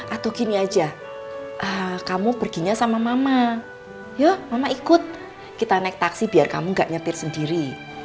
atau gini aja kamu perginya sama mama yuk mama ikut kita naik taksi biar kamu gak nyetir sendiri